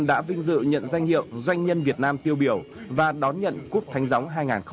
đã vinh dự nhận danh hiệu doanh nhân việt nam tiêu biểu và đón nhận cúp thánh gióng hai nghìn hai mươi